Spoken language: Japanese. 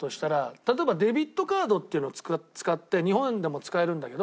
例えばデビットカードっていうのを使って日本でも使えるんだけど。